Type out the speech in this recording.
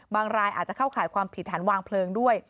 รายอาจจะเข้าข่ายความผิดฐานวางเพลิงด้วย